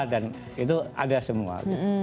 dan itu ada semua